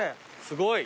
すごい。